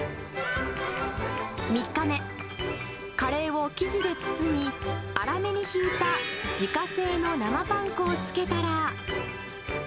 ３日目、カレーを生地で包み、粗めにひいた自家製の生パン粉をつけたら。